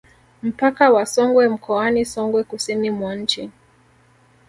Mpaka wa Songwe mkoani Songwe kusini mwa nchi